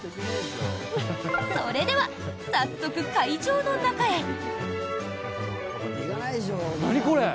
それでは早速、会場の中へ。